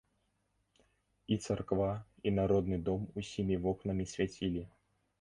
І царква, і народны дом усімі вокнамі свяцілі.